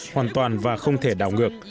hoàn toàn và không thể đảo ngược